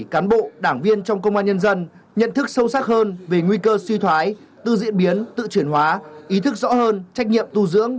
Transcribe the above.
cán bộ đảng viên trong công an nhân dân nhận thức sâu sắc hơn về nguy cơ suy thoái tự diễn biến tự chuyển hóa ý thức rõ hơn trách nhiệm tu dưỡng